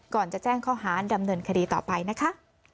ก่อนจะแจ้งข้อหาดำเนินคดีต่อไปนะคะ